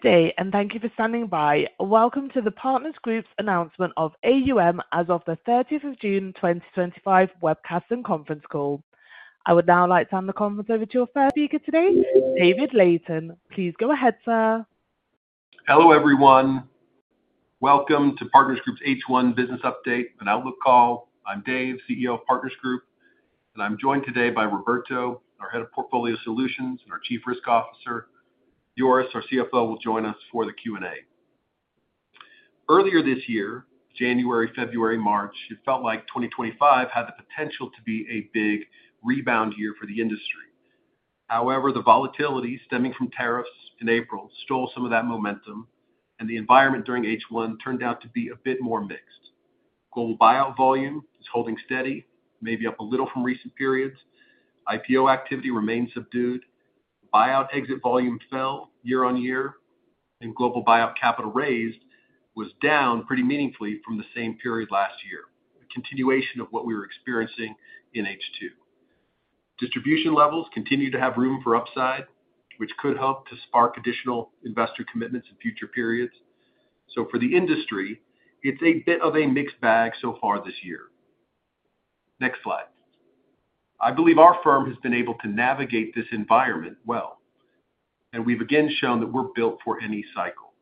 Great, and thank you for standing by. Welcome to the Partners Group's announcement of AUM as of the 30th of June, 2025, webcast and Conference Call. I would now like to hand the conference over to our first speaker today, David Layton. Please go ahead, sir. Hello everyone. Welcome to Partners Group's H1 business update and outlook call. I'm Dave, CEO of Partners Group, and I'm joined today by Roberto, our Head of Portfolio Solutions and our Chief Risk Officer. Joris, our CFO, will join us for the Q&A. Earlier this year, January, February, March, it felt like 2025 had the potential to be a big rebound year for the industry. However, the volatility stemming from tariffs in April stole some of that momentum, and the environment during H1 turned out to be a bit more mixed. Global buyout volume is holding steady, maybe up a little from recent periods. IPO activity remains subdued. Buyout exit volume fell Year-on-Year, and global buyout capital raised was down pretty meaningfully from the same period last year, a continuation of what we were experiencing in H2. Distribution levels continue to have room for upside, which could help to spark additional investor commitments in future periods. For the industry, it's a bit of a mixed bag so far this year. Next slide. I believe our firm has been able to navigate this environment well. We've again shown that we're built for any cycle.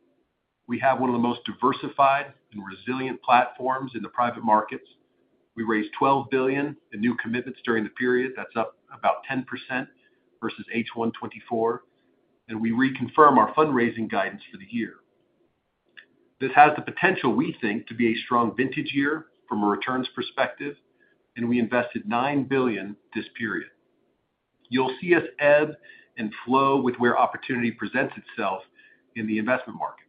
We have one of the most diversified and resilient platforms in the private markets. We raised $12 billion in new commitments during the period. That's up about 10% versus H1 2024. We reconfirm our fundraising guidance for the year. This has the potential, we think, to be a strong vintage year from a returns perspective, and we invested $9 billion this period. You'll see us ebb and flow with where opportunity presents itself in the investment markets.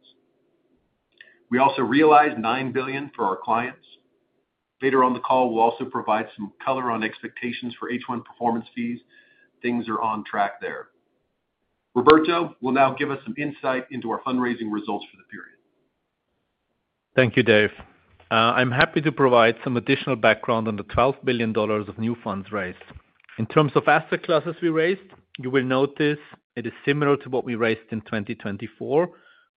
We also realized $9 billion for our clients. Later on the call, we'll also provide some color on expectations for H1 performance fees. Things are on track there. Roberto will now give us some insight into our fundraising results for the period. Thank you, Dave. I'm happy to provide some additional background on the $12 billion of new funds raised. In terms of asset classes we raised, you will notice it is similar to what we raised in 2024,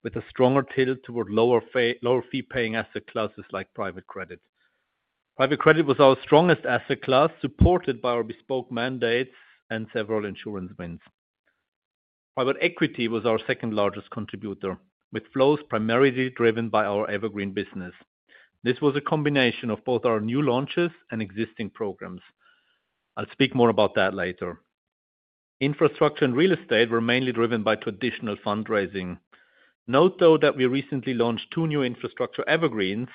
with a stronger tilt toward lower fee-paying asset classes like private credit. Private credit was our strongest asset class, supported by our bespoke mandates and several insurance wins. Private equity was our second largest contributor, with flows primarily driven by our evergreen business. This was a combination of both our new launches and existing programs. I'll speak more about that later. Infrastructure and real estate were mainly driven by traditional fundraising. Note, though, that we recently launched two new infrastructure evergreens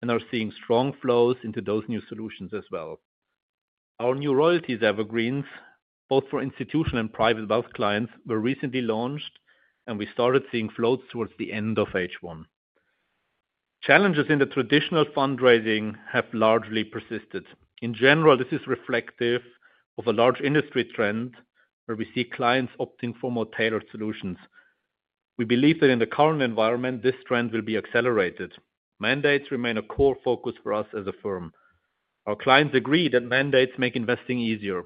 and are seeing strong flows into those new solutions as well. Our new royalties evergreens, both for institutional and private wealth clients, were recently launched, and we started seeing floats towards the end of H1. Challenges in the traditional fundraising have largely persisted. In general, this is reflective of a large industry trend where we see clients opting for more tailored solutions. We believe that in the current environment, this trend will be accelerated. Mandates remain a core focus for us as a firm. Our clients agree that mandates make investing easier.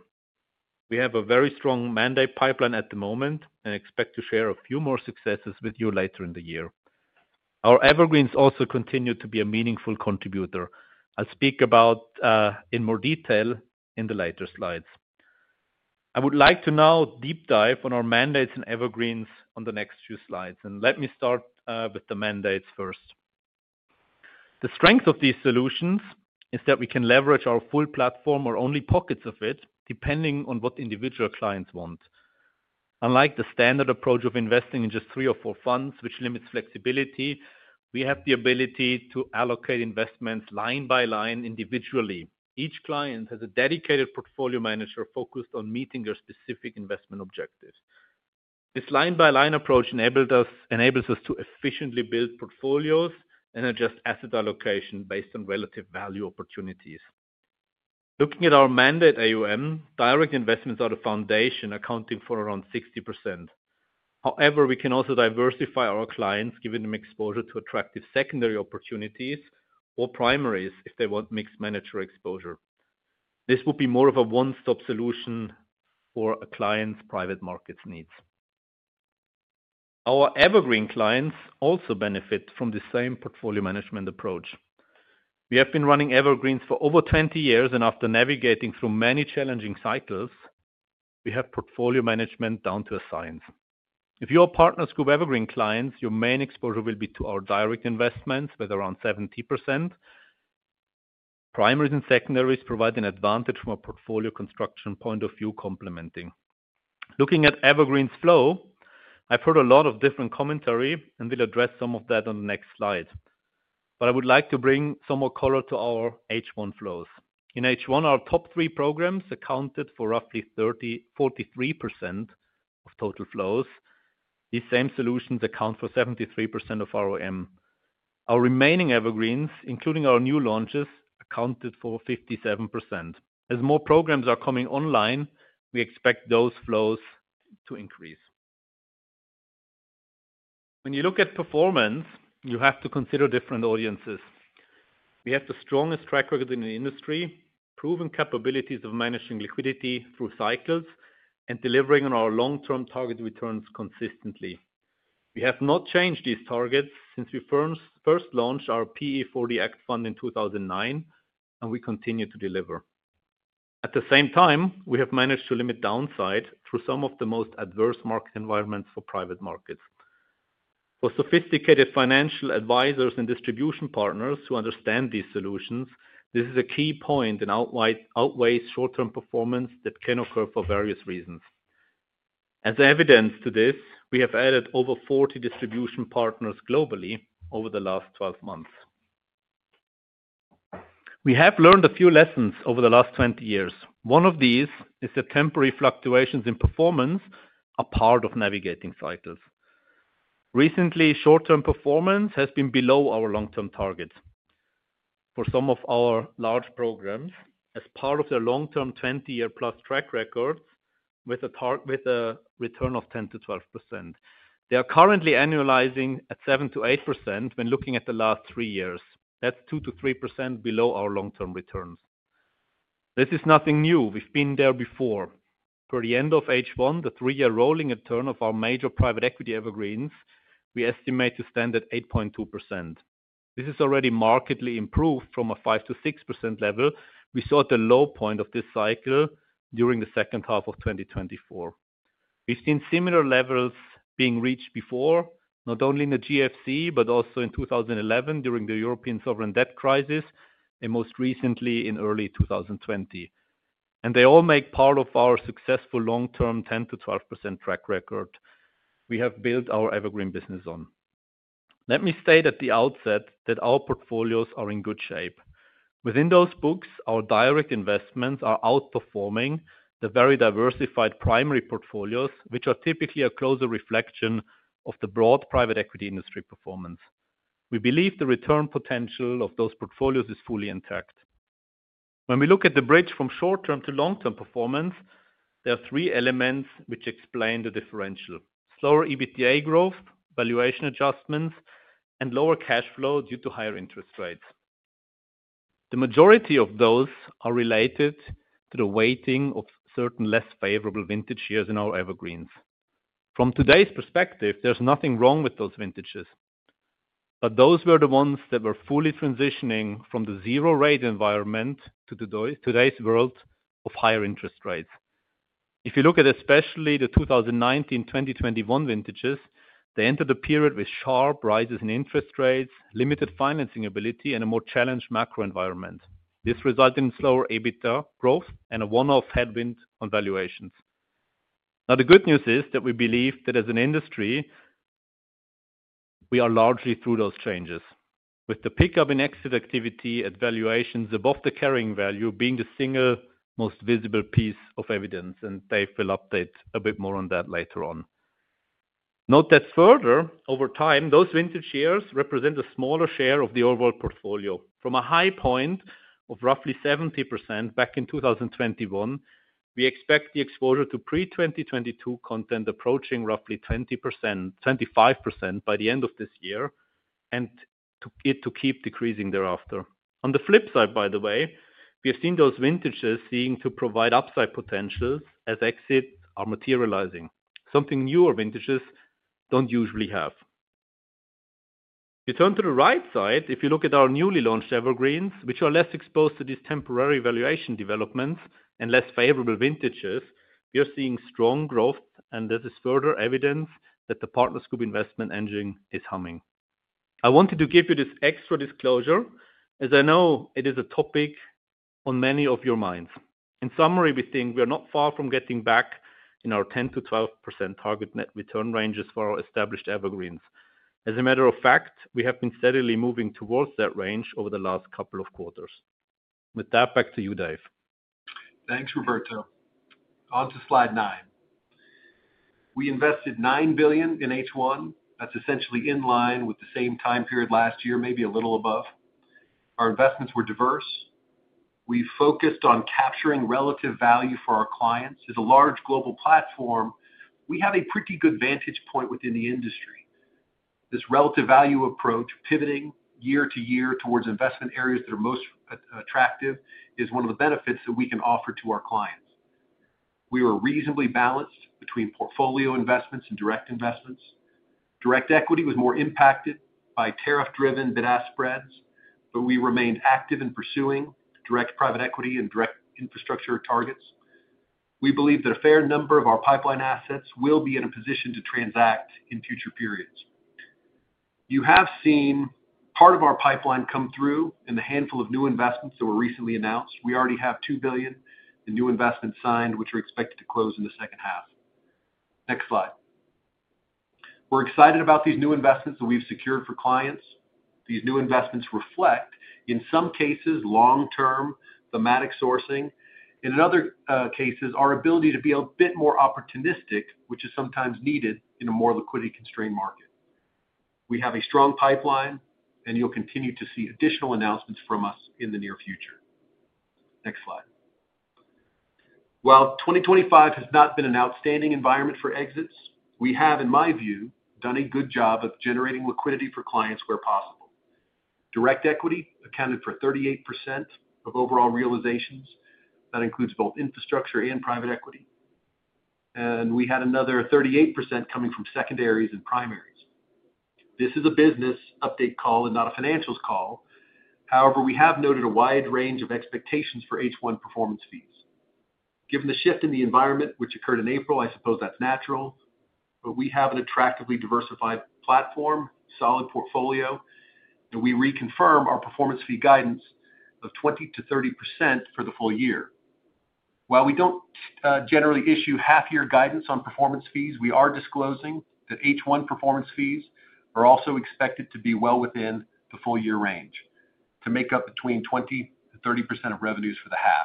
We have a very strong mandate pipeline at the moment and expect to share a few more successes with you later in the year. Our evergreens also continue to be a meaningful contributor. I'll speak about in more detail in the later slides. I would like to now deep dive on our mandates and evergreens on the next few slides. Let me start with the mandates first. The strength of these solutions is that we can leverage our full platform or only pockets of it, depending on what individual clients want. Unlike the standard approach of investing in just three or four funds, which limits flexibility, we have the ability to allocate investments line by line individually. Each client has a dedicated portfolio manager focused on meeting their specific investment objectives. This line-by-line approach enables us to efficiently build portfolios and adjust asset allocation based on relative value opportunities. Looking at our mandate AUM, direct investments are the foundation, accounting for around 60%. However, we can also diversify our clients, giving them exposure to attractive secondary opportunities or primaries if they want mixed manager exposure. This will be more of a one-stop solution for a client's private markets needs. Our evergreen clients also benefit from the same portfolio management approach. We have been running evergreens for over 20 years, and after navigating through many challenging cycles, we have portfolio management down to a science. If you are Partners Group evergreen clients, your main exposure will be to our direct investments, with around 70%. Primaries and secondaries providing an advantage from a portfolio construction point of view complementing. Looking at evergreens flow, I've heard a lot of different commentary and will address some of that on the next slides. I would like to bring some more color to our H1 flows. In H1, our top three programs accounted for roughly 43% of total flows. These same solutions account for 73% of our AUM. Our remaining evergreens, including our new launches, accounted for 57%. As more programs are coming online, we expect those flows to increase. When you look at performance, you have to consider different audiences. We have the strongest track record in the industry, proven capabilities of managing liquidity through cycles, and delivering on our long-term target returns consistently. We have not changed these targets since we first launched our PE40 Act fund in 2009, and we continue to deliver. At the same time, we have managed to limit downside through some of the most adverse market environments for private markets. For sophisticated financial advisors and distribution partners who understand these solutions, this is a key point and outweighs short-term performance that can occur for various reasons. As evidence to this, we have added over 40 distribution partners globally over the last 12 months. We have learned a few lessons over the last 20 years. One of these is that temporary fluctuations in performance are part of navigating cycles. Recently, short-term performance has been below our long-term targets. For some of our large programs, as part of their long-term 20-year-plus track records with a return of 10%-12%, they are currently annualizing at 7%-8% when looking at the last three years. That's 2%-3% below our long-term returns. This is nothing new. We've been there before. Per the end of H1, the three-year rolling return of our major private equity evergreens, we estimate to stand at 8.2%. This is already markedly improved from a 5%-6% level we saw at the low point of this cycle during the second half of 2024. We've seen similar levels being reached before, not only in the GFC, but also in 2011 during the European sovereign debt crisis, and most recently in early 2020. They all make part of our successful long-term 10%-12% track record we have built our evergreen business on. Let me state at the outset that our portfolios are in good shape. Within those books, our direct investments are outperforming the very diversified primary portfolios, which are typically a closer reflection of the broad private equity industry performance. We believe the return potential of those portfolios is fully intact. When we look at the bridge from short-term to long-term performance, there are three elements which explain the differential: slower EBITDA growth, valuation adjustments, and lower cash flow due to higher interest rates. The majority of those are related to the weighting of certain less favorable vintage years in our evergreens. From today's perspective, there is nothing wrong with those vintages. Those were the ones that were fully transitioning from the zero-rate environment to today's world of higher interest rates. If you look at especially the 2019, 2021 vintages, they entered a period with sharp rises in interest rates, limited financing ability, and a more challenged macro environment. This resulted in slower EBITDA growth and a one-off headwind on valuations. The good news is that we believe that as an industry. We are largely through those changes, with the pickup in exit activity at valuations above the carrying value being the single most visible piece of evidence. Dave will update a bit more on that later on. Note that further, over time, those vintage years represent a smaller share of the overall portfolio. From a high point of roughly 70% back in 2021, we expect the exposure to pre-2022 content approaching roughly 25% by the end of this year and to keep decreasing thereafter. On the flip side, by the way, we have seen those vintages seem to provide upside potentials as exits are materializing, something newer vintages do not usually have. If you turn to the right side, if you look at our newly launched evergreens, which are less exposed to these temporary valuation developments and less favorable vintages, we are seeing strong growth, and this is further evidence that the Partners Group investment engine is humming. I wanted to give you this extra disclosure, as I know it is a topic on many of your minds. In summary, we think we are not far from getting back in our 10%-12% target net return ranges for our established evergreens. As a matter of fact, we have been steadily moving towards that range over the last couple of quarters. With that, back to you, Dave. Thanks, Roberto. On to slide nine. We invested $9 billion in H1. That's essentially in line with the same time period last year, maybe a little above. Our investments were diverse. We focused on capturing relative value for our clients. It's a large global platform. We have a pretty good vantage point within the industry. This relative value approach, pivoting year to year towards investment areas that are most attractive, is one of the benefits that we can offer to our clients. We were reasonably balanced between portfolio investments and direct investments. Direct equity was more impacted by tariff-driven bid-ask spreads, but we remained active in pursuing direct private equity and direct infrastructure targets. We believe that a fair number of our pipeline assets will be in a position to transact in future periods. You have seen part of our pipeline come through in the handful of new investments that were recently announced. We already have $2 billion in new investments signed, which are expected to close in the second half. Next slide. We're excited about these new investments that we've secured for clients. These new investments reflect, in some cases, long-term thematic sourcing. In other cases, our ability to be a bit more opportunistic, which is sometimes needed in a more liquidity-constrained market. We have a strong pipeline, and you'll continue to see additional announcements from us in the near future. Next slide. While 2025 has not been an outstanding environment for exits, we have, in my view, done a good job of generating liquidity for clients where possible. Direct equity accounted for 38% of overall realizations. That includes both infrastructure and private equity. We had another 38% coming from secondaries and primaries. This is a business update call and not a financials call. However, we have noted a wide range of expectations for H1 performance fees. Given the shift in the environment, which occurred in April, I suppose that's natural. We have an attractively diversified platform, solid portfolio, and we reconfirm our performance fee guidance of 20%-30% for the full year. While we do not generally issue half-year guidance on performance fees, we are disclosing that H1 performance fees are also expected to be well within the full-year range to make up between 20%-30% of revenues for the half.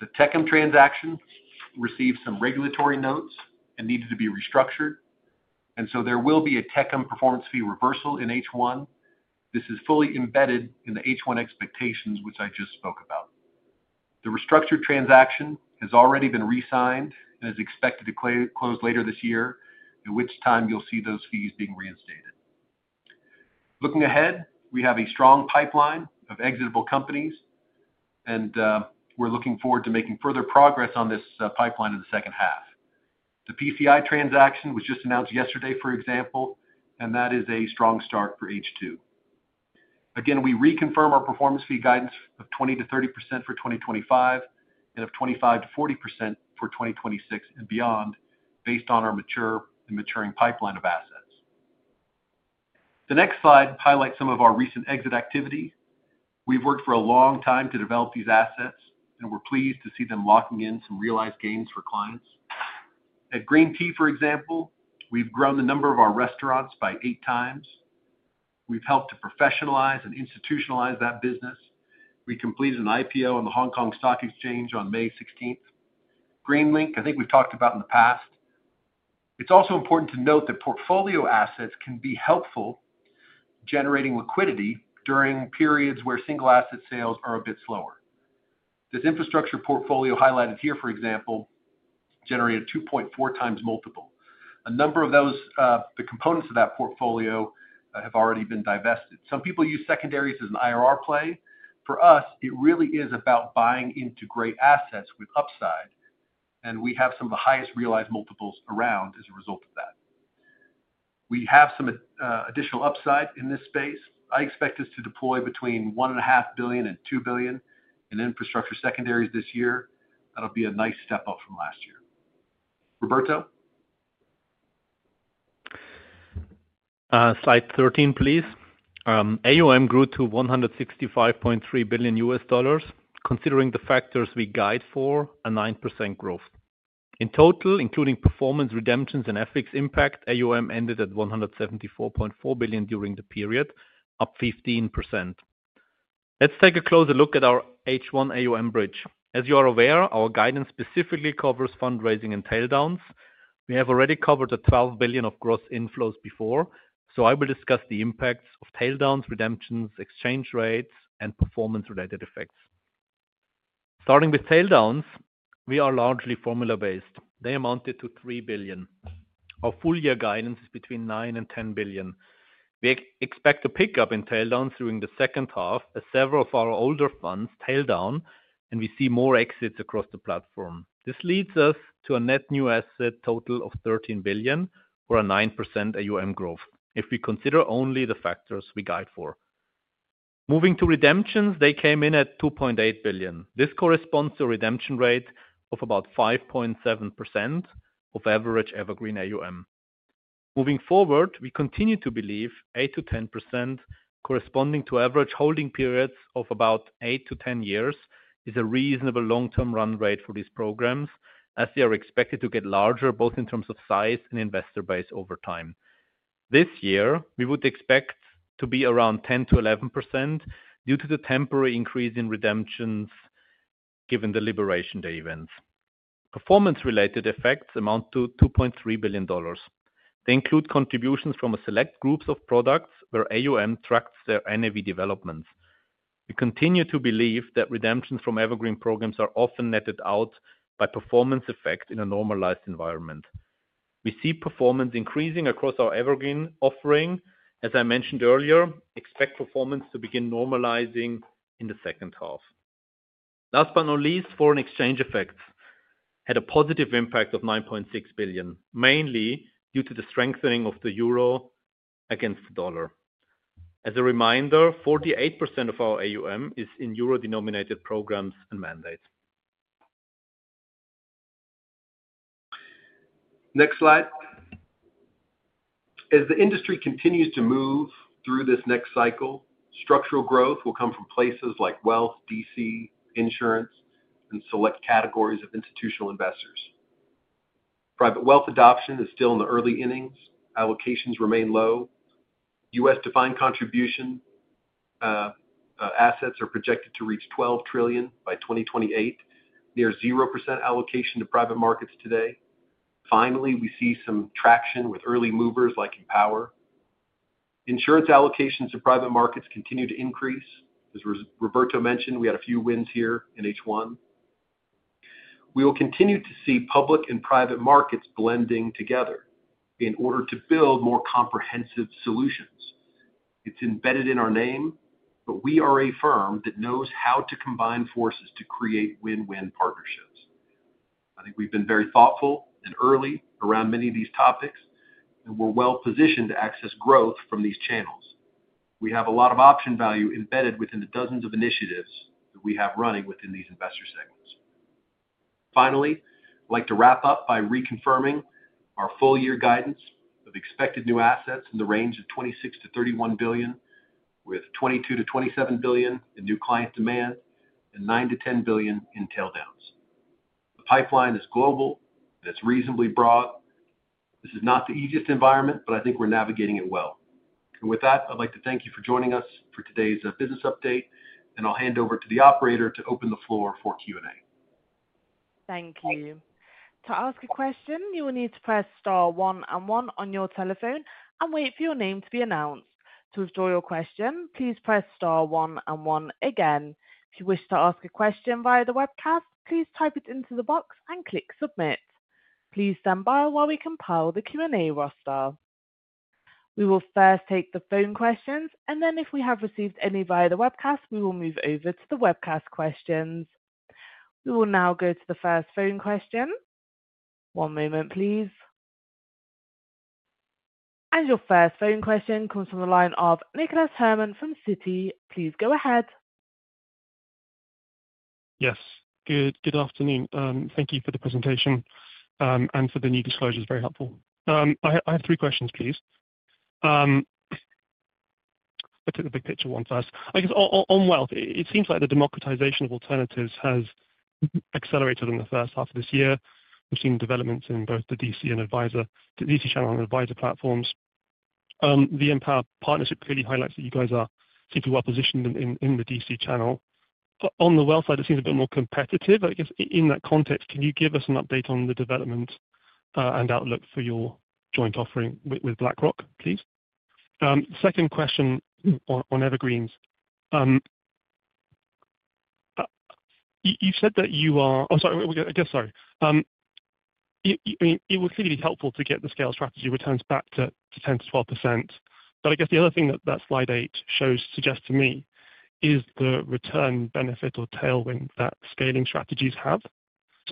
The Techem transaction received some regulatory notes and needed to be restructured. There will be a Techem performance fee reversal in H1. This is fully embedded in the H1 expectations, which I just spoke about. The restructured transaction has already been re-signed and is expected to close later this year, at which time you'll see those fees being reinstated. Looking ahead, we have a strong pipeline of exitable companies, and we're looking forward to making further progress on this pipeline in the second half. The PCI transaction was just announced yesterday, for example, and that is a strong start for H2. Again, we reconfirm our performance fee guidance of 20%-30% for 2025 and of 25%-40% for 2026 and beyond, based on our mature and maturing pipeline of assets. The next slide highlights some of our recent exit activity. We've worked for a long time to develop these assets, and we're pleased to see them locking in some realized gains for clients. At Green Tea, for example, we've grown the number of our restaurants by eight times. We've helped to professionalize and institutionalize that business. We completed an IPO on the Hong Kong Stock Exchange on May 16th. GreenLink, I think we've talked about in the past. It's also important to note that portfolio assets can be helpful. Generating liquidity during periods where single-asset sales are a bit slower. This infrastructure portfolio highlighted here, for example, generated 2.4 times multiple. A number of those, the components of that portfolio, have already been divested. Some people use secondaries as an IRR play. For us, it really is about buying into great assets with upside, and we have some of the highest realized multiples around as a result of that. We have some additional upside in this space. I expect us to deploy between $1.5 billion and $2 billion in infrastructure secondaries this year. That'll be a nice step up from last year. Roberto? Slide 13, please. AUM grew to $165.3 billion, considering the factors we guide for a 9% growth. In total, including performance redemptions and FX impact, AUM ended at $174.4 billion during the period, up 15%. Let's take a closer look at our H1 AUM bridge. As you are aware, our guidance specifically covers fundraising and tail downs. We have already covered the $12 billion of gross inflows before, so I will discuss the impacts of tail downs, redemptions, exchange rates, and performance-related effects. Starting with tail downs, we are largely formula-based. They amounted to $3 billion. Our full-year guidance is between $9 billion and $10 billion. We expect a pickup in tail downs during the second half as several of our older funds tail down, and we see more exits across the platform. This leads us to a net new asset total of $13 billion for a 9% AUM growth, if we consider only the factors we guide for. Moving to redemptions, they came in at $2.8 billion. This corresponds to a redemption rate of about 5.7% of average evergreen AUM. Moving forward, we continue to believe 8%-10%, corresponding to average holding periods of about 8 to 10 years, is a reasonable long-term run rate for these programs, as they are expected to get larger both in terms of size and investor base over time. This year, we would expect to be around 10%-11% due to the temporary increase in redemptions, given the Liberation Day events. Performance-related effects amount to $2.3 billion. They include contributions from a select group of products where AUM tracks their NAV developments. We continue to believe that redemptions from evergreen programs are often netted out by performance effect in a normalized environment. We see performance increasing across our evergreen offering. As I mentioned earlier, expect performance to begin normalizing in the second half. Last but not least, foreign exchange effects had a positive impact of 9.6 billion, mainly due to the strengthening of the euro against the dollar. As a reminder, 48% of our AUM is in euro-denominated programs and mandates. Next slide. As the industry continues to move through this next cycle, structural growth will come from places like wealth, DC, insurance, and select categories of institutional investors. Private wealth adoption is still in the early innings. Allocations remain low. US defined contribution. Assets are projected to reach $12 trillion by 2028, near 0% allocation to private markets today. Finally, we see some traction with early movers like Empower. Insurance allocations to private markets continue to increase. As Roberto mentioned, we had a few wins here in H1. We will continue to see public and private markets blending together in order to build more comprehensive solutions. It's embedded in our name, but we are a firm that knows how to combine forces to create win-win partnerships. I think we've been very thoughtful and early around many of these topics, and we're well positioned to access growth from these channels. We have a lot of option value embedded within the dozens of initiatives that we have running within these investor segments. Finally, I'd like to wrap up by reconfirming our full-year guidance of expected new assets in the range of $26 billion-$31 billion, with $22 billion-$27 billion in new client demand and $9 billion-$10 billion in tail downs. The pipeline is global, and it's reasonably broad. This is not the easiest environment, but I think we're navigating it well. With that, I'd like to thank you for joining us for today's business update, and I'll hand over to the operator to open the floor for Q&A. Thank you. To ask a question, you will need to press Star 1 and 1 on your telephone and wait for your name to be announced. To withdraw your question, please press Star 1 and 1 again. If you wish to ask a question via the webcast, please type it into the box and click Submit. Please stand by while we compile the Q&A roster. We will first take the phone questions, and then if we have received any via the webcast, we will move over to the webcast questions. We will now go to the first phone question. One moment, please. Your first phone question comes from the line of Nicholas Herman from CITI. Please go ahead. Yes. Good afternoon. Thank you for the presentation. Thank you for the new disclosure, it's very helpful. I have three questions, please. Let's take the big picture one first. I guess on wealth, it seems like the democratization of alternatives has accelerated in the first half of this year. We've seen developments in both the DC and advisor DC channel and advisor platforms. The Empower partnership clearly highlights that you guys seem to be well positioned in the DC channel. On the wealth side, it seems a bit more competitive. I guess in that context, can you give us an update on the development and outlook for your joint offering with BlackRock, please? Second question on evergreens. You've said that you are—oh, sorry, I guess, sorry. It would clearly be helpful to get the scale strategy returns back to 10%-12%. I guess the other thing that slide eight suggests to me is the return benefit or tailwind that scaling strategies have.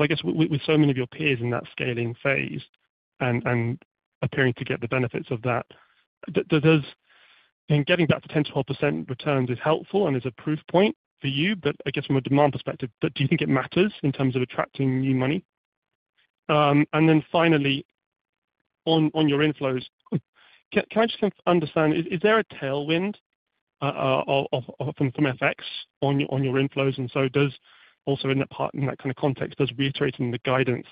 I guess with so many of your peers in that scaling phase and appearing to get the benefits of that, getting back to 10%-12% returns is helpful and is a proof point for you, but I guess from a demand perspective, do you think it matters in terms of attracting new money? Finally, on your inflows, can I just understand, is there a tailwind from FX on your inflows? Also, in that kind of context, does reiterating the guidance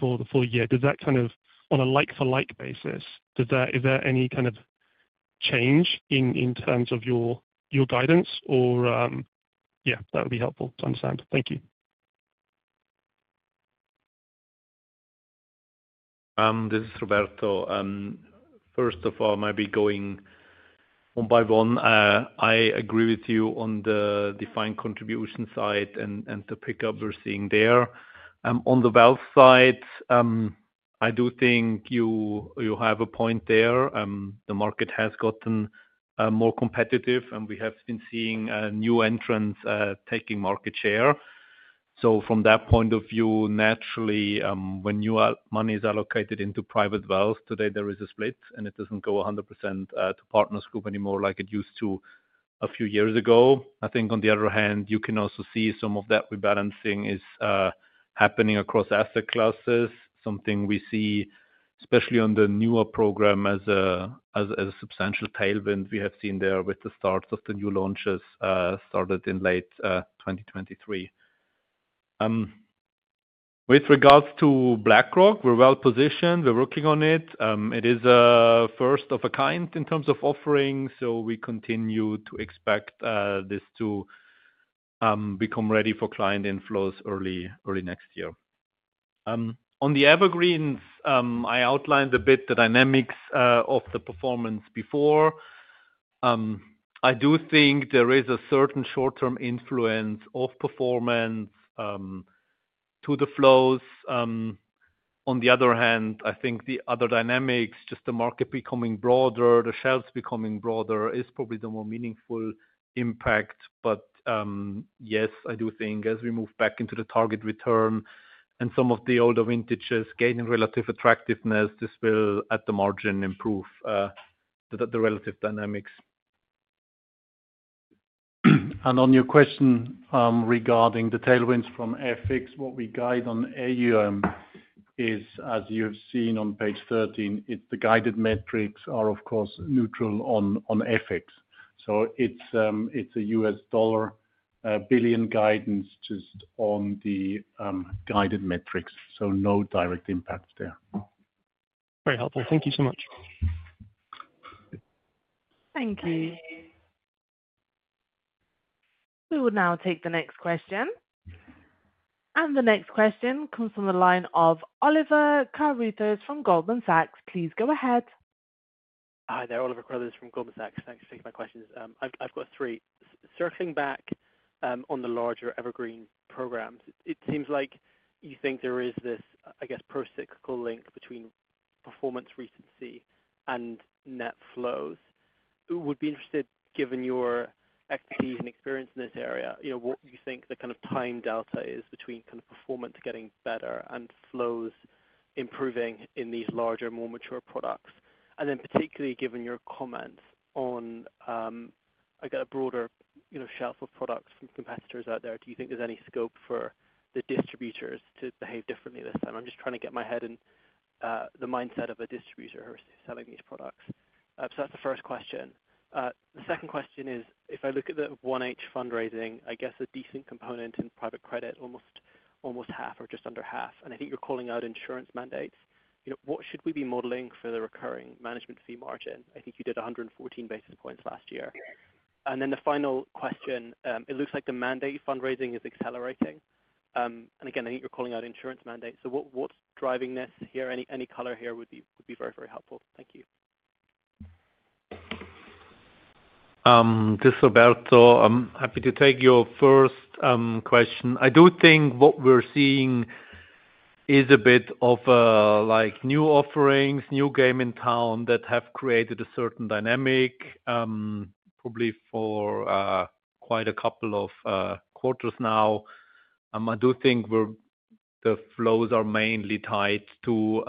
for the full year, does that kind of, on a like-for-like basis, is there any kind of change in terms of your guidance? Yeah, that would be helpful to understand. Thank you. This is Roberto. First of all, I might be going one by one. I agree with you on the defined contribution side and the pickup we're seeing there. On the wealth side, I do think you have a point there. The market has gotten more competitive, and we have been seeing new entrants taking market share. From that point of view, naturally, when money is allocated into private wealth, today there is a split, and it does not go 100% to Partners Group anymore like it used to a few years ago. I think on the other hand, you can also see some of that rebalancing is happening across asset classes, something we see, especially on the newer program, as a substantial tailwind we have seen there with the start of the new launches started in late 2023. With regards to BlackRock, we're well positioned. We're working on it. It is a first of a kind in terms of offering, so we continue to expect this to become ready for client inflows early next year. On the evergreens, I outlined a bit the dynamics of the performance before. I do think there is a certain short-term influence of performance to the flows. On the other hand, I think the other dynamics, just the market becoming broader, the shelves becoming broader, is probably the more meaningful impact. Yes, I do think as we move back into the target return and some of the older vintages gaining relative attractiveness, this will, at the margin, improve the relative dynamics. On your question regarding the tailwinds from FX, what we guide on AUM is, as you've seen on page 13, the guided metrics are, of course, neutral on FX. So it's a $ billion guidance just on the. Guided metrics, so no direct impact there. Very helpful. Thank you so much. Thank you. We will now take the next question. The next question comes from the line of Oliver Carruthers from Goldman Sachs. Please go ahead. Hi there, Oliver Crowther from Goldman Sachs. Thanks for taking my questions. I've got three. Circling back on the larger evergreen programs, it seems like you think there is this, I guess, pro-cyclical link between performance recency and net flows. I would be interested, given your expertise and experience in this area, what you think the kind of time delta is between kind of performance getting better and flows improving in these larger, more mature products. Particularly given your comments on a broader shelf of products from competitors out there, do you think there's any scope for the distributors to behave differently this time? I'm just trying to get my head in the mindset of a distributor who's selling these products. That's the first question. The second question is, if I look at the first half fundraising, I guess a decent component in private credit, almost half or just under half. I think you're calling out insurance mandates. What should we be modeling for the recurring management fee margin? I think you did 114 basis points last year. The final question, it looks like the mandate fundraising is accelerating. I think you're calling out insurance mandates. What's driving this here? Any color here would be very, very helpful. Thank you. This is Roberto. I'm happy to take your first question. I do think what we're seeing is a bit of new offerings, new game in town that have created a certain dynamic. Probably for quite a couple of quarters now. I do think the flows are mainly tied to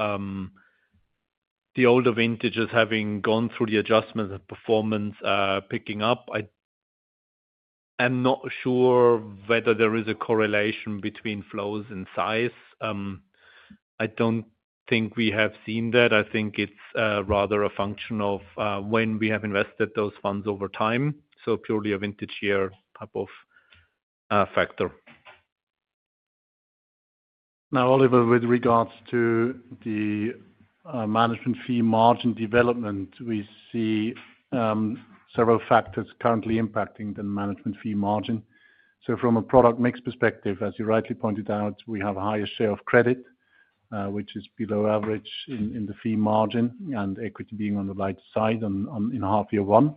the older vintages having gone through the adjustments and performance picking up. I am not sure whether there is a correlation between flows and size. I don't think we have seen that. I think it's rather a function of when we have invested those funds over time. So purely a vintage year type of factor. Now, Oliver, with regards to the management fee margin development, we see several factors currently impacting the management fee margin. From a product mix perspective, as you rightly pointed out, we have a higher share of credit, which is below average in the fee margin, and equity being on the right side in half year one.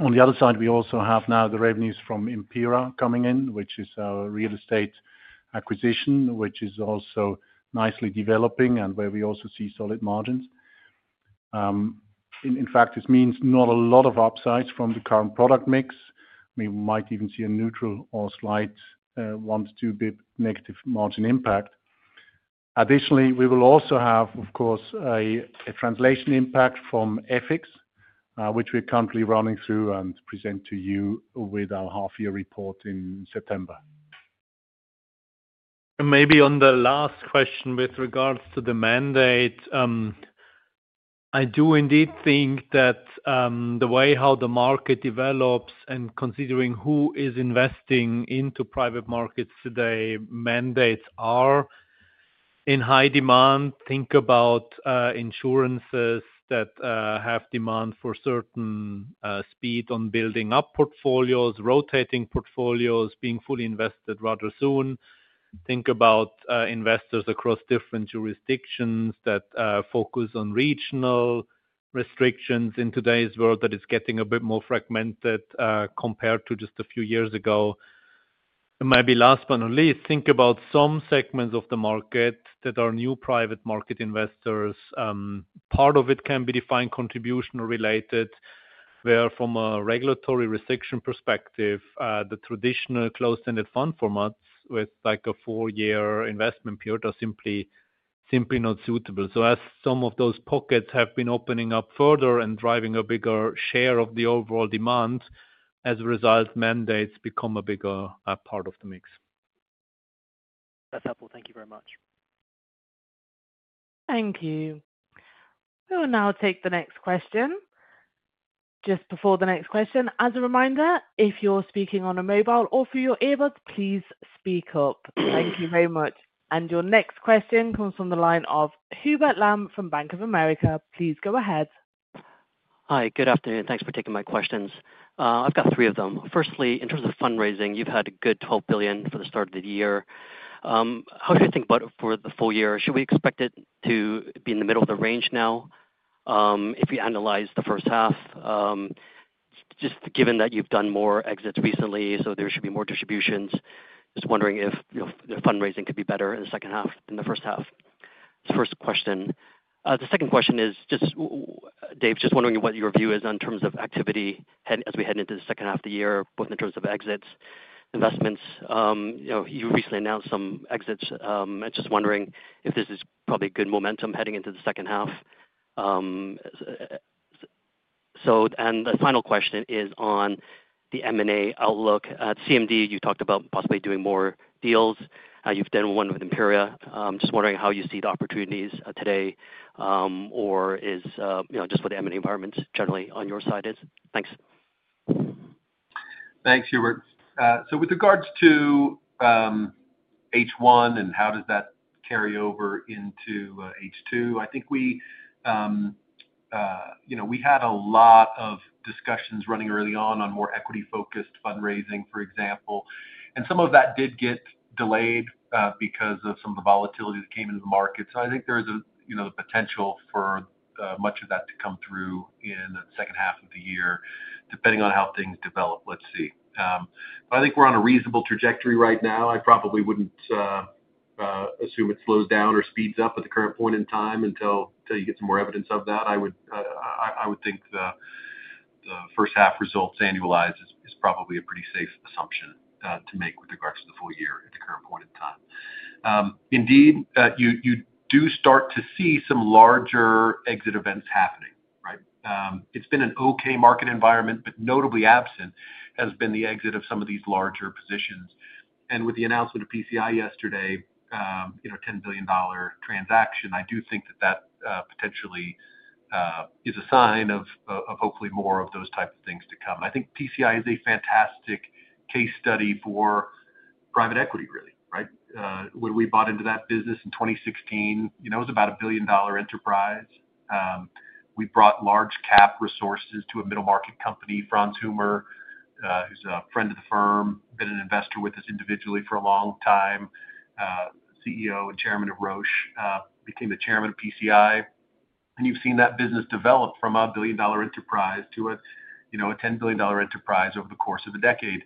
On the other side, we also have now the revenues from Imperia coming in, which is our real estate acquisition, which is also nicely developing and where we also see solid margins. In fact, this means not a lot of upsides from the current product mix. We might even see a neutral or slight one to two basis points negative margin impact. Additionally, we will also have, of course, a translation impact from FX, which we're currently running through and present to you with our half year report in September. Maybe on the last question with regards to the mandate. I do indeed think that the way how the market develops and considering who is investing into private markets today, mandates are in high demand. Think about insurances that have demand for certain speed on building up portfolios, rotating portfolios, being fully invested rather soon. Think about investors across different jurisdictions that focus on regional restrictions in today's world that is getting a bit more fragmented compared to just a few years ago. Maybe last but not least, think about some segments of the market that are new private market investors. Part of it can be defined contribution related, where from a regulatory restriction perspective, the traditional closed-ended fund formats with like a four-year investment period are simply not suitable. As some of those pockets have been opening up further and driving a bigger share of the overall demand, as a result, mandates become a bigger part of the mix. That's helpful. Thank you very much. Thank you. We will now take the next question. Just before the next question, as a reminder, if you're speaking on a mobile or through your earbuds, please speak up. Thank you very much. Your next question comes from the line of Hubert Lam from Bank of America. Please go ahead. Hi, good afternoon. Thanks for taking my questions. I've got three of them. Firstly, in terms of fundraising, you've had a good $12 billion for the start of the year. How should we think about it for the full year? Should we expect it to be in the middle of the range now? If we analyze the first half, just given that you've done more exits recently, so there should be more distributions, just wondering if the fundraising could be better in the second half than the first half. It's the first question. The second question is just, Dave, just wondering what your view is in terms of activity as we head into the second half of the year, both in terms of exits, investments. You recently announced some exits. I'm just wondering if this is probably good momentum heading into the second half. The final question is on the M&A outlook. At CMD, you talked about possibly doing more deals. You've done one with Imperia. I'm just wondering how you see the opportunities today. Is it just what the M&A environment generally on your side is? Thanks. Thanks, Hubert. With regards to H1 and how does that carry over into H2, I think we had a lot of discussions running early on on more equity-focused fundraising, for example. Some of that did get delayed because of some of the volatility that came into the market. I think there is a potential for much of that to come through in the second half of the year, depending on how things develop. Let's see. I think we're on a reasonable trajectory right now. I probably wouldn't assume it slows down or speeds up at the current point in time until you get some more evidence of that. I would think the first half results annualized is probably a pretty safe assumption to make with regards to the full year at the current point in time. Indeed, you do start to see some larger exit events happening. It's been an okay market environment, but notably absent has been the exit of some of these larger positions. With the announcement of PCI yesterday, $10 billion transaction, I do think that that potentially is a sign of hopefully more of those types of things to come. I think PCI is a fantastic case study for private equity, really. When we bought into that business in 2016, it was about a $1 billion enterprise. We brought large-cap resources to a middle-market company. Franz Hummer, who's a friend of the firm, been an investor with us individually for a long time, CEO and Chairman of Roche, became the Chairman of PCI. You've seen that business develop from a $1 billion enterprise to a $10 billion enterprise over the course of a decade.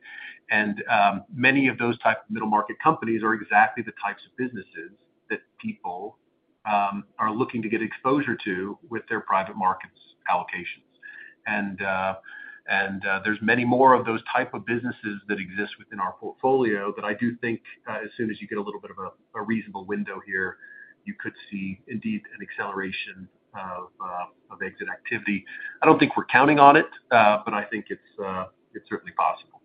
Many of those types of middle-market companies are exactly the types of businesses that people are looking to get exposure to with their private markets allocations. There are many more of those types of businesses that exist within our portfolio that I do think, as soon as you get a little bit of a reasonable window here, you could see indeed an acceleration of exit activity. I do not think we are counting on it, but I think it is certainly possible.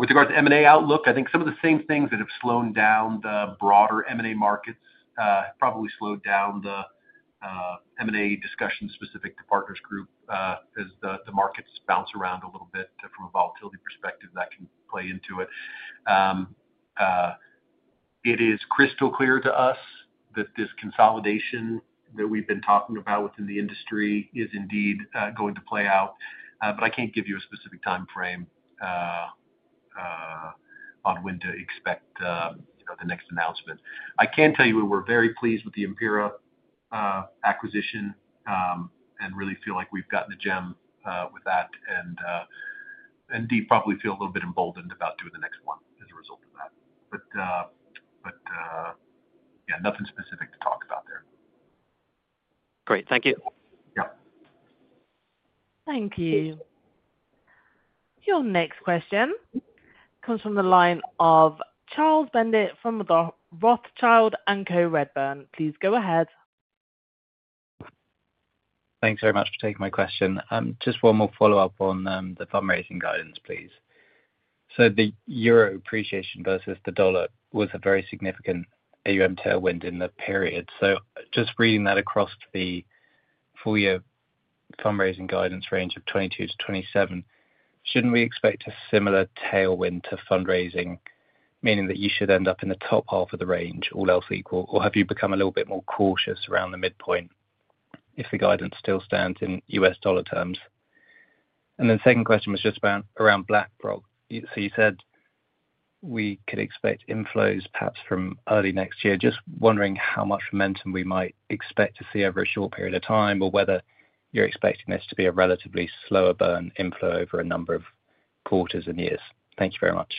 With regards to M&A outlook, I think some of the same things that have slowed down the broader M&A markets probably slowed down the M&A discussion specific to Partners Group as the markets bounce around a little bit from a volatility perspective. That can play into it. It is crystal clear to us that this consolidation that we have been talking about within the industry is indeed going to play out. I can't give you a specific time frame on when to expect the next announcement. I can tell you we were very pleased with the Imperia acquisition and really feel like we've gotten a gem with that. Indeed, probably feel a little bit emboldened about doing the next one as a result of that. Yeah, nothing specific to talk about there. Great. Thank you. Thank you. Your next question comes from the line of Charles John Douglas Bendit from Redburn. Please go ahead. Thanks very much for taking my question. Just one more follow-up on the fundraising guidance, please. The euro appreciation versus the dollar was a very significant AUM tailwind in the period. Just reading that across the full-year fundraising guidance range of $22 billion-$27 billion, should not we expect a similar tailwind to fundraising, meaning that you should end up in the top half of the range, all else equal, or have you become a little bit more cautious around the midpoint if the guidance still stands in US dollar terms? The second question was just around BlackRock. You said we could expect inflows perhaps from early next year. Just wondering how much momentum we might expect to see over a short period of time or whether you are expecting this to be a relatively slower burn inflow over a number of quarters and years. Thank you very much.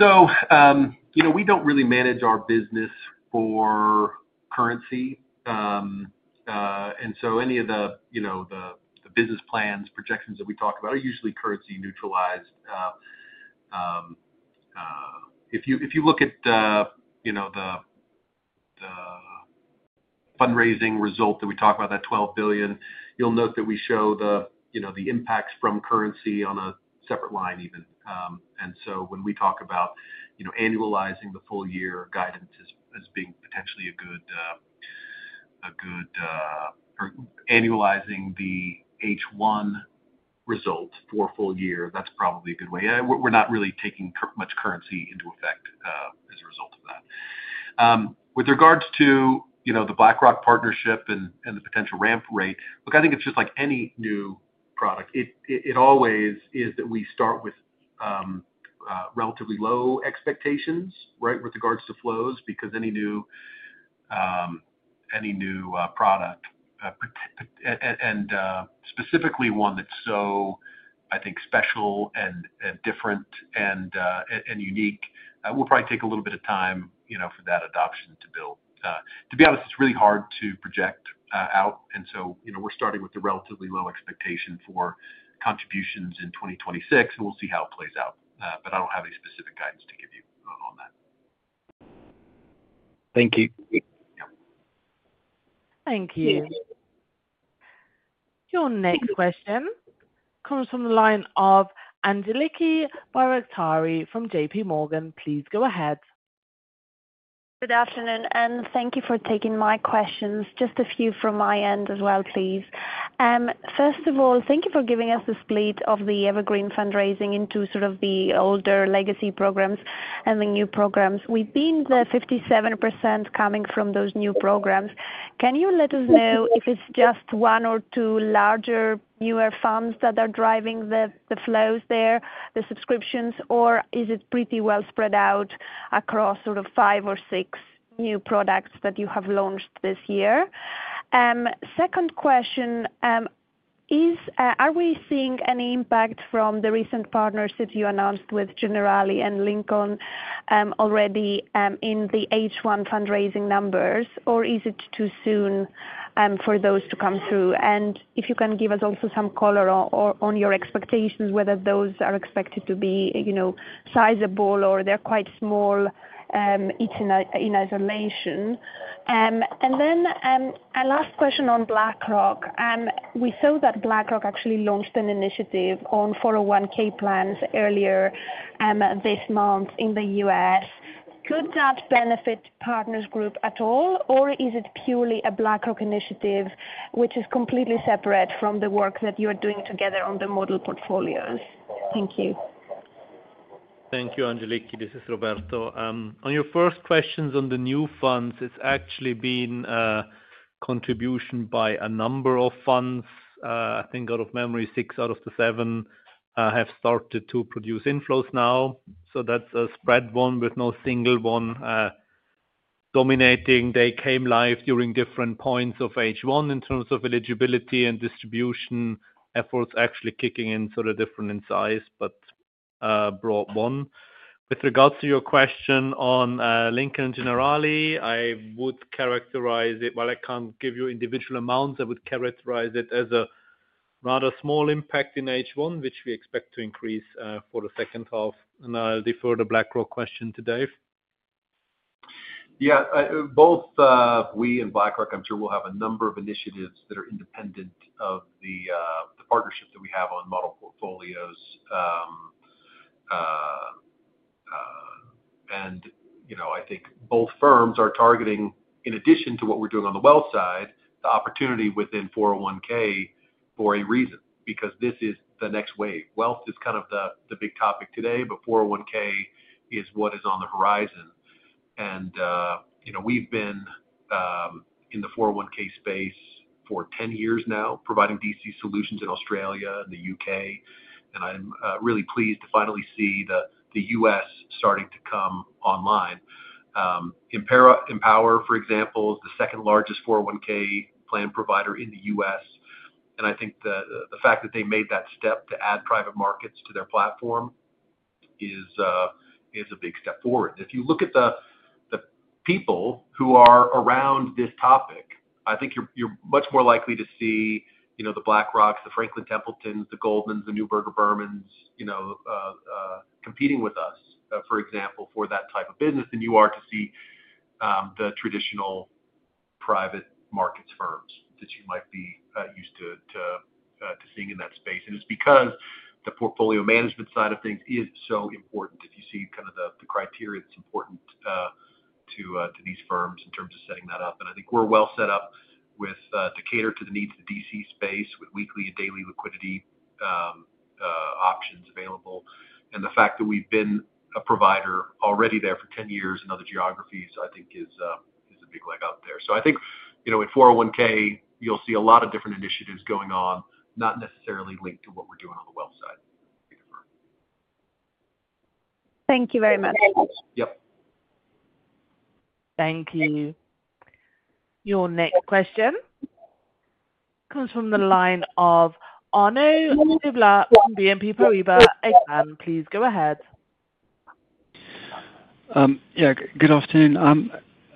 We do not really manage our business for currency. Any of the business plans, projections that we talk about are usually currency neutralized. If you look at the fundraising result that we talk about, that $12 billion, you will note that we show the impacts from currency on a separate line even. When we talk about annualizing the full-year guidance as being potentially a good—annualizing the H1 result for full year, that is probably a good way. We are not really taking much currency into effect as a result of that. With regards to the BlackRock partnership and the potential ramp rate, look, I think it is just like any new product. It always is that we start with relatively low expectations with regards to flows because any new product. Specifically, one that's so, I think, special and different and unique will probably take a little bit of time for that adoption to build. To be honest, it's really hard to project out. We are starting with the relatively low expectation for contributions in 2026, and we'll see how it plays out. I don't have any specific guidance to give you on that. Thank you. Thank you. Your next question comes from the line of Angeliki Bairaktari from JPMorgan. Please go ahead. Good afternoon. Thank you for taking my questions. Just a few from my end as well, please. First of all, thank you for giving us the split of the Evergreen fundraising into the older legacy programs and the new programs. With the 57% coming from those new programs, can you let us know if it is just one or two larger newer funds that are driving the flows there, the subscriptions, or is it pretty well spread out across five or six new products that you have launched this year? Second question. Are we seeing any impact from the recent partnerships you announced with Generali and Lincoln already in the H1 fundraising numbers, or is it too soon for those to come through? If you can give us also some color on your expectations, whether those are expected to be. Sizable or they're quite small. In isolation. Then a last question on BlackRock. We saw that BlackRock actually launched an initiative on 401(k) plans earlier this month in the US. Could that benefit Partners Group at all, or is it purely a BlackRock initiative which is completely separate from the work that you're doing together on the model portfolios? Thank you. Thank you, Angeliki. This is Roberto. On your first questions on the new funds, it's actually been contribution by a number of funds. I think out of memory, six out of the seven have started to produce inflows now. That is a spread one with no single one dominating. They came live during different points of H1 in terms of eligibility and distribution efforts actually kicking in, sort of different in size, but broad one. With regards to your question on Lincoln and Generali, I would characterize it, while I can't give you individual amounts, I would characterize it as a rather small impact in H1, which we expect to increase for the second half. I'll defer the BlackRock question to Dave. Yeah. Both we and BlackRock, I'm sure we'll have a number of initiatives that are independent of the partnership that we have on model portfolios. I think both firms are targeting, in addition to what we're doing on the wealth side, the opportunity within 401(k) for a reason because this is the next wave. Wealth is kind of the big topic today, but 401(k) is what is on the horizon. We've been in the 401(k) space for 10 years now, providing DC solutions in Australia and the U.K. I'm really pleased to finally see the U.S. starting to come online. Empower, for example, is the second largest 401(k) plan provider in the U.S. I think the fact that they made that step to add private markets to their platform is a big step forward. If you look at the. People who are around this topic, I think you're much more likely to see the BlackRocks, the Franklin Templetons, the Goldmans, the Neuberger Bermans competing with us, for example, for that type of business than you are to see the traditional private markets firms that you might be used to seeing in that space. It is because the portfolio management side of things is so important if you see kind of the criteria that's important to these firms in terms of setting that up. I think we're well set up to cater to the needs of the DC space with weekly and daily liquidity options available. The fact that we've been a provider already there for 10 years in other geographies, I think, is a big leg up there. I think in 401(k), you'll see a lot of different initiatives going on, not necessarily linked to what we're doing on the wealth side. Thank you very much. Thank you. Thank you. Your next question comes from the line of Arno Kovlar from BNP Paribas. Please go ahead. Yeah. Good afternoon.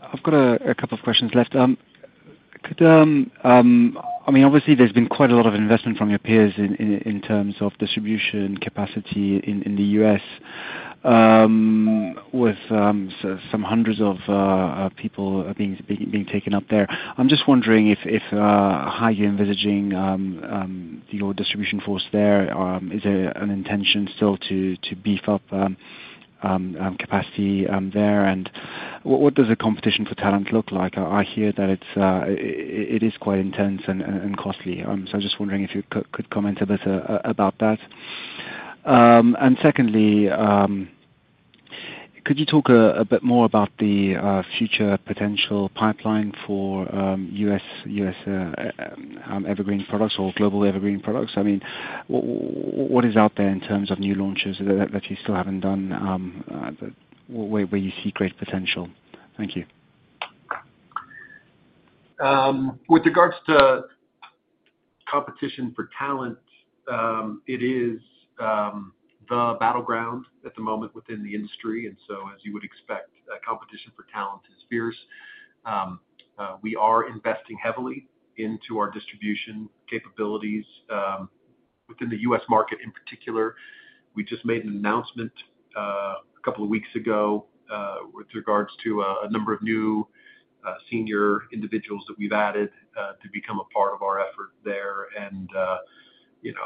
I've got a couple of questions left. I mean, obviously, there's been quite a lot of investment from your peers in terms of distribution capacity in the US. With some hundreds of people being taken up there. I'm just wondering how you're envisaging your distribution force there. Is there an intention still to beef up capacity there? What does the competition for talent look like? I hear that it is quite intense and costly. I'm just wondering if you could comment a bit about that. Secondly, could you talk a bit more about the future potential pipeline for US evergreen products or global evergreen products? I mean, what is out there in terms of new launches that you still haven't done, where you see great potential? Thank you. With regards to competition for talent, it is the battleground at the moment within the industry. As you would expect, competition for talent is fierce. We are investing heavily into our distribution capabilities within the US market in particular. We just made an announcement a couple of weeks ago with regards to a number of new senior individuals that we've added to become a part of our effort there.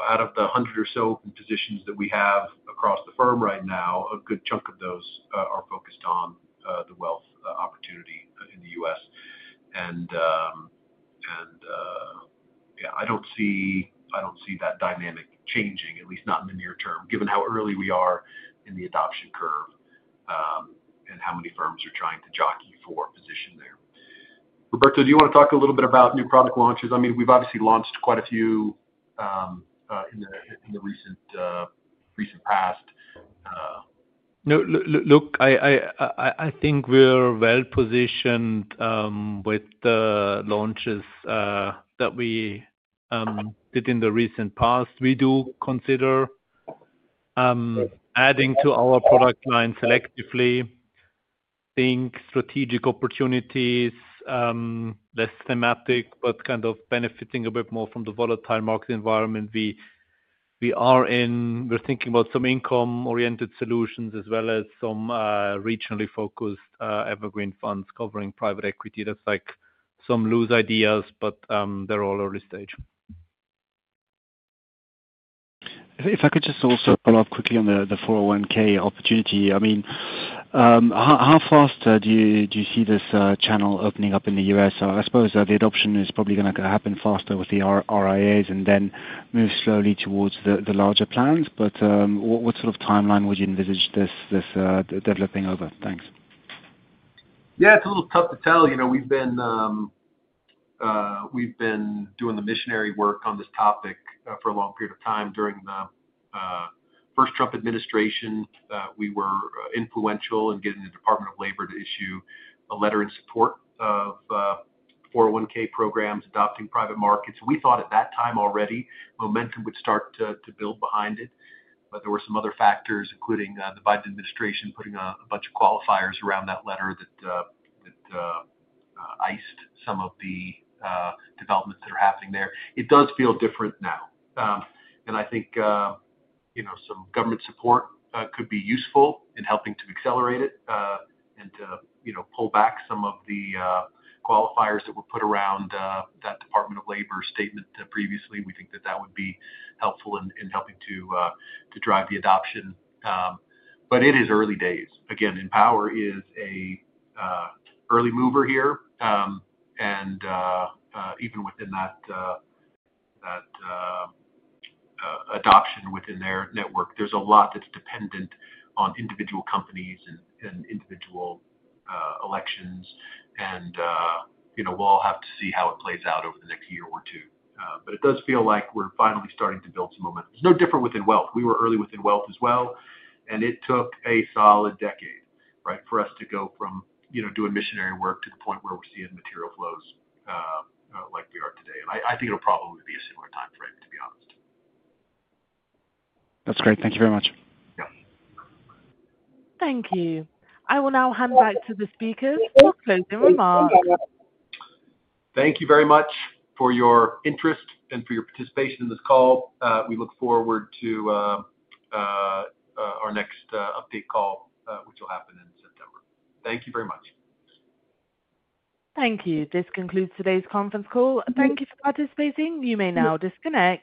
Out of the 100 or so positions that we have across the firm right now, a good chunk of those are focused on the wealth opportunity in the US. I do not see that dynamic changing, at least not in the near term, given how early we are in the adoption curve and how many firms are trying to jockey for a position there. Roberto, do you want to talk a little bit about new product launches? I mean, we've obviously launched quite a few in the recent past. Look, I think we're well positioned. With the launches that we did in the recent past, we do consider adding to our product line selectively, being strategic opportunities. Less thematic, but kind of benefiting a bit more from the volatile market environment we are in. We're thinking about some income-oriented solutions as well as some regionally focused evergreen funds covering private equity. That's like some loose ideas, but they're all early stage. If I could just also follow up quickly on the 401(k) opportunity, I mean. How fast do you see this channel opening up in the US? I suppose the adoption is probably going to happen faster with the RIAs and then move slowly towards the larger plans. What sort of timeline would you envisage this developing over? Thanks. Yeah, it's a little tough to tell. We've been doing the missionary work on this topic for a long period of time. During the first Trump administration, we were influential in getting the Department of Labor to issue a letter in support of 401(k) programs adopting private markets. We thought at that time already momentum would start to build behind it. There were some other factors, including the Biden administration putting a bunch of qualifiers around that letter that iced some of the developments that are happening there. It does feel different now. I think some government support could be useful in helping to accelerate it. To pull back some of the qualifiers that were put around that Department of Labor statement previously, we think that that would be helpful in helping to drive the adoption. It is early days. Again, Empower is an. Early mover here. Even within that, adoption within their network, there's a lot that's dependent on individual companies and individual elections. We'll all have to see how it plays out over the next year or two. It does feel like we're finally starting to build some momentum. It's no different within wealth. We were early within wealth as well. It took a solid decade, right, for us to go from doing missionary work to the point where we're seeing material flows like we are today. I think it'll probably be a similar timeframe, to be honest. That's great. Thank you very much. Yeah. Thank you. I will now hand back to the speakers for closing remarks. Thank you very much for your interest and for your participation in this call. We look forward to our next update call, which will happen in September. Thank you very much. Thank you. This concludes today's conference call. Thank you for participating. You may now disconnect.